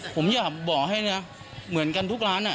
ผมอยากบอกให้นะเหมือนกันทุกร้าน